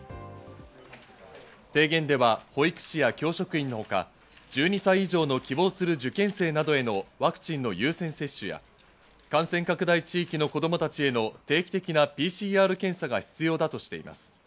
提言では保育士や教職員のほか、１２歳以上の希望する受験生などへのワクチンの優先接種や感染拡大地域の子供たちへの定期的なＰＣＲ検査が必要だとしています。